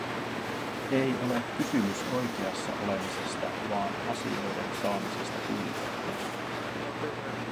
Ei ole kysymys oikeassa olemisesta vaan asioiden saamisesta kuntoon.